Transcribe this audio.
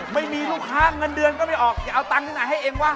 ไม่มีลูกค้าเงินเดือนก็ไม่ออกจะเอาตังค์ที่ไหนให้เองวะ